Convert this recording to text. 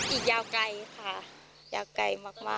อีกยาวไกลค่ะยาวไกลมาก